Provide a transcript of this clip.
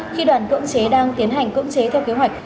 khi đoàn cưỡng chế đang tiến hành cưỡng chế theo kế hoạch